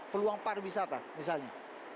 peluang pariwisata misalnya